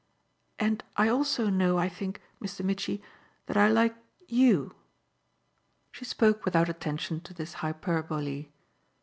"And I also know, I think, Mr. Mitchy, that I like YOU." She spoke without attention to this hyperbole.